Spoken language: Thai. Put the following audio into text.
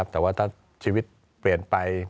แต่ว่าถ้าชีวิตเปลี่ยนไป